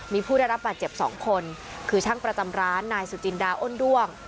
มีผู้ได้รับบาดเจ็บ๒คนคือช่างประจำร้านนายสุจินดาอ้นด้วง